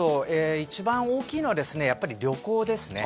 一番大きいのはやっぱり旅行ですね。